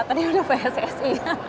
tadi udah pssi